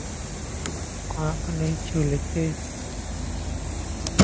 พยานหลักฐานทางอิเล็กทรอนิกส์ จำเป็นต้องได้รับการตรวจสอบอย่างเข้มงวด